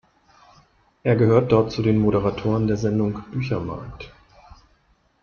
Er gehört dort zu den Moderatoren der Sendung "Büchermarkt".